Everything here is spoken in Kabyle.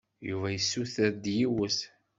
Yuba yessuter-d yiwet.